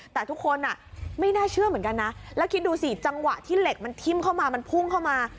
แต่ทุกคนไม่น่าเชื่อเหมือนกันนะแล้วคิดดูสิจังหวะที่เหล็กมันทิ้มเข้ามามันพุ่งเข้ามา